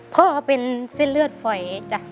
ก็เป็นเส้นเลือดฝอยจ้ะ